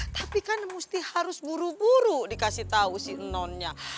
tapi kan mesti harus buru buru dikasih tahu si nonnya